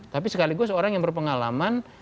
tapi sekaligus orang yang berpengalaman